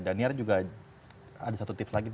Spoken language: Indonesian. dan niar juga ada satu tips lagi nih